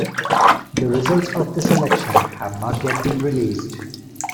The results of this election have not yet been released.